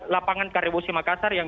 lapangan karyawusi makassar yang